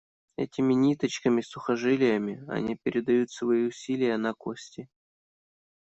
Этими ниточками-сухожилиями они передают свои усилия на кости.